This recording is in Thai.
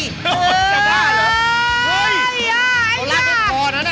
เฮ้ยลากรถก่อนนะน่ะ